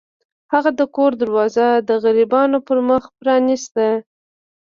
هغه د کور دروازه د غریبانو پر مخ پرانیسته.